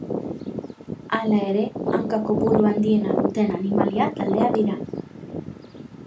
Hala ere hanka kopuru handiena duten animalia taldea dira.